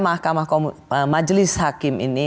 mahkamah majelis hakim ini